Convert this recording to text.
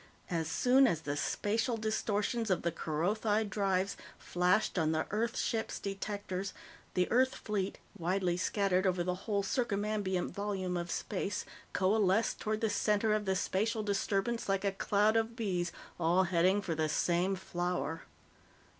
As soon as the spatial distortions of the Kerothi drives flashed on the Earth ships' detectors, the Earth fleet, widely scattered over the whole circumambient volume of space, coalesced toward the center of the spatial disturbance like a cloud of bees all heading for the same flower.